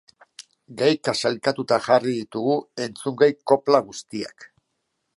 Gaika sailkatuta jarri ditugu entzungai kopla guztiak.